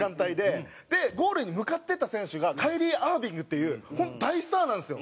でゴールに向かっていった選手がカイリー・アービングっていう大スターなんですよ。